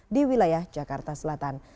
di wilayah jakarta selatan